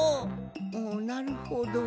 おなるほど。